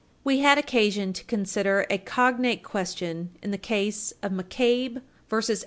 We had occasion to consider a cognate question in the case Page 305 U. S.